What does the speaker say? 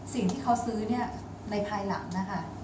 สิ่งที่เขาซื้อเนี่ยในภายหลังนะคะ